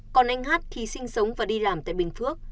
còn anh hát thì sinh sống và đi làm tại bình phước